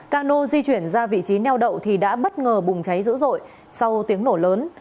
cano di chuyển ra vị trí neo đậu thì đã bất ngờ bùng cháy dữ dội sau tiếng nổ lớn